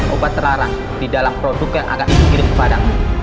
obat terlarang di dalam produk yang agak ingin dikirim kepada